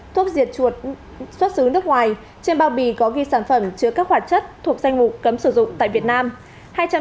thuốc diệt chuột xuất xứ nước ngoài trên bao bì có ghi sản phẩm chứa các hoạt chất thuộc danh mục cấm sử dụng tại việt nam